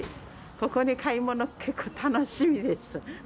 ここに買い物に来るの、楽しみです。